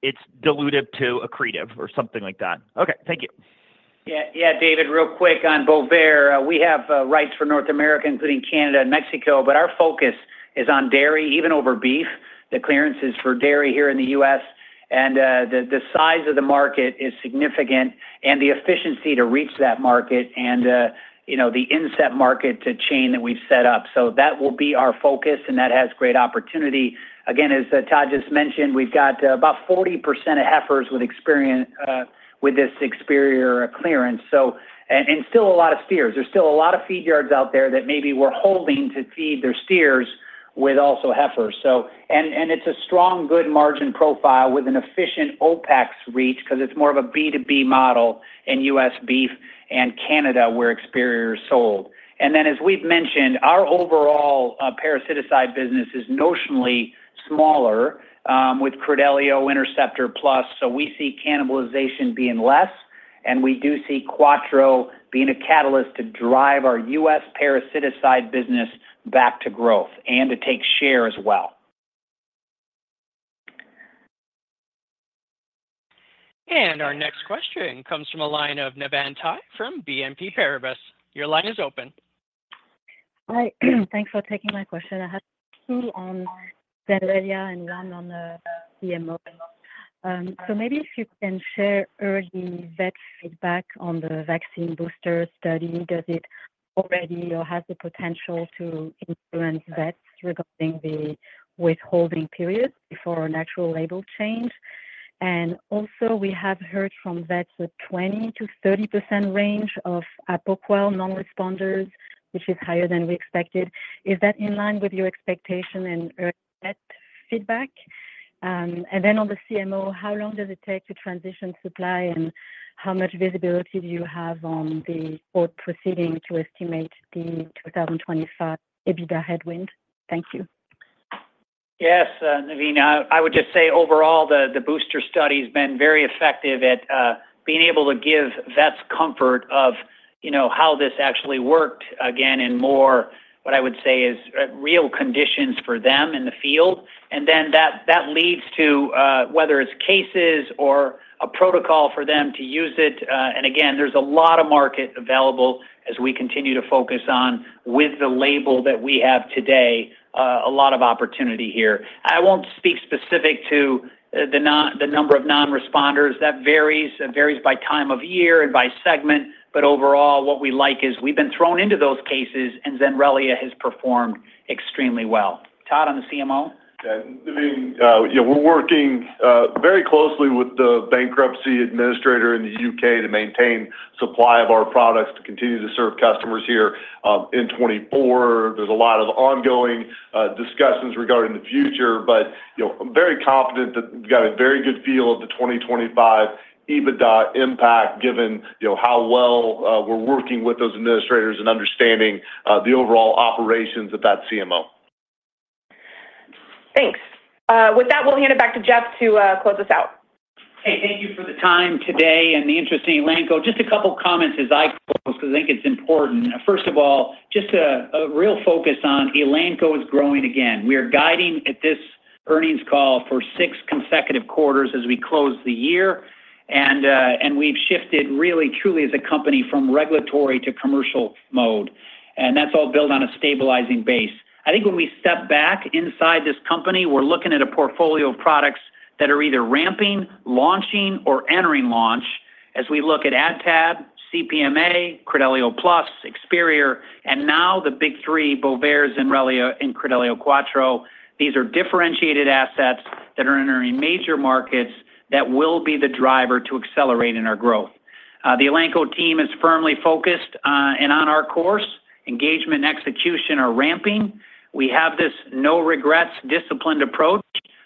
it's diluted to accretive or something like that. Okay. Thank you. Yeah. Yeah, David, real quick on Bovaer. We have rights for North America, including Canada and Mexico, but our focus is on dairy, even over beef. The clearances for dairy here in the U.S. and the size of the market is significant and the efficiency to reach that market and the inset market to chain that we've set up. So that will be our focus, and that has great opportunity. Again, as Todd just mentioned, we've got about 40% of heifers with this Experior clearance. And still a lot of steers. There's still a lot of feed yards out there that maybe we're holding to feed their steers with also heifers. And it's a strong good margin profile with an efficient OpEx reach because it's more of a B2B model in U.S. beef and Canada where Experior is sold. And then, as we've mentioned, our overall parasiticide business is notionally smaller with Credelio Interceptor Plus. So we see cannibalization being less, and we do see Quattro being a catalyst to drive our U.S. parasiticide business back to growth and to take share as well. And our next question comes from Navann Ty from BNP Paribas. Your line is open. Hi. Thanks for taking my question. I had two on Zenrelia and one on the CMO. So maybe if you can share early vet feedback on the vaccine booster study. Does it already or has the potential to influence vets regarding the withholding period before a natural label change? And also, we have heard from vets a 20%-30% range of Apoquel non-responders, which is higher than we expected. Is that in line with your expectation and early vet feedback? And then on the CMO, how long does it take to transition supply, and how much visibility do you have on the court proceeding to estimate the 2025 EBITDA headwind? Thank you. Yes. I mean, I would just say overall, the booster study has been very effective at being able to give vets comfort of how this actually worked again in more what I would say is real conditions for them in the field. And then that leads to whether it's cases or a protocol for them to use it. And again, there's a lot of market available as we continue to focus on, with the label that we have today, a lot of opportunity here. I won't speak specific to the number of non-responders. That varies by time of year and by segment. But overall, what we like is we've been thrown into those cases, and Zenrelia has performed extremely well. Todd on the CMO? Yeah. We're working very closely with the bankruptcy administrator in the U.K. to maintain supply of our products to continue to serve customers here in 2024. There's a lot of ongoing discussions regarding the future, but I'm very confident that we've got a very good feel of the 2025 EBITDA impact given how well we're working with those administrators and understanding the overall operations at that CMO. Thanks. With that, we'll hand it back to Jeff to close us out. Hey, thank you for the time today and the interest in Elanco. Just a couple of comments as I close because I think it's important. First of all, just a real focus on Elanco is growing again. We are guiding at this earnings call for six consecutive quarters as we close the year. And we've shifted really, truly as a company from regulatory to commercial mode. And that's all built on a stabilizing base. I think when we step back inside this company, we're looking at a portfolio of products that are either ramping, launching, or entering launch as we look at AdTab, CPMA, Credelio PLUS, Experior, and now the big three, Bovaer, Zenrelia, and Credelio Quattro. These are differentiated assets that are entering major markets that will be the driver to accelerate in our growth. The Elanco team is firmly focused on our course. Engagement and execution are ramping. We have this no-regrets, disciplined approach.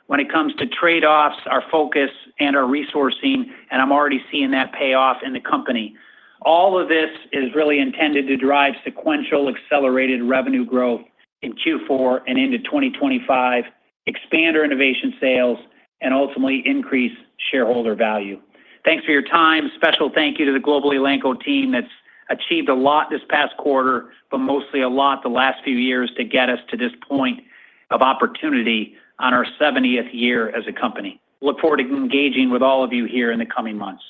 When it comes to trade-offs, our focus and our resourcing, and I'm already seeing that pay off in the company. All of this is really intended to drive sequential accelerated revenue growth in Q4 and into 2025, expand our innovation sales, and ultimately increase shareholder value. Thanks for your time. Special thank you to the global Elanco team that's achieved a lot this past quarter, but mostly a lot the last few years to get us to this point of opportunity on our 70th year as a company. Look forward to engaging with all of you here in the coming months.